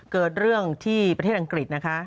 เกิดเรื่องที่ประเทศอังกฤษนะคะ